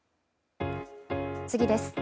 次です。